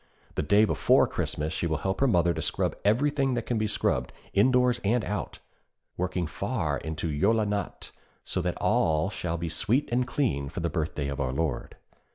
The day before Christmas she will help her mother to scrub everything that can be scrubbed, indoors and out, working far into 'Jóla Natt,' so that all shall be sweet and clean for the birthday of our Lord.